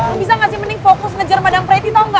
lu bisa ngasih mending fokus ngejar madang preti tau ga